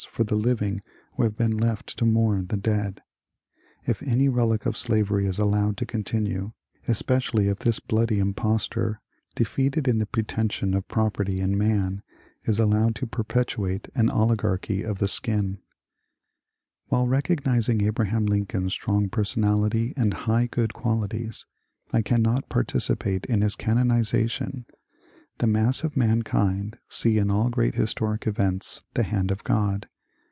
for the living who have been left to mourn the dead, — if any relic of slav 94 MONCURE DANIEL (X)NWAY ery is allowed to continue ; especially if this bloody impostor, defeated in the pretension of property in man, is allowed to perpetuate an Oligarchy of the akinJ* While recognizing Abraham Lincoln's strong personality and high good qualities, I cannot participate in his canoniza tion. The mass of mankind see in all great historic events the hand of God.